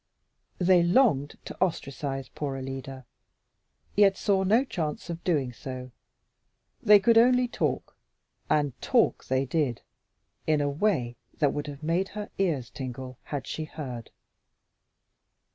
They longed to ostracize poor Alida, yet saw no chance of doing so. They could only talk, and talk they did, in a way that would have made her ears tingle had she heard.